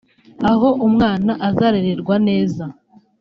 Aho umwana azarererwa neza